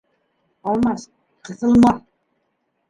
Алмас, ҡыҫылма!